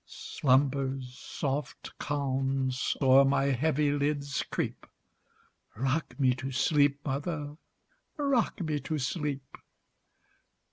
Slumber's soft calms o'er my heavy lids creep;—Rock me to sleep, mother,—rock me to sleep!